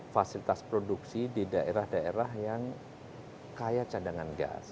fasilitas produksi di daerah daerah yang kaya cadangan gas